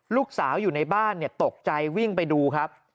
อยู่ในบ้านตกใจวิ่งไปดูครับ